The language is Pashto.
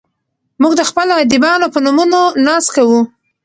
موږ د خپلو ادیبانو په نومونو ناز کوو.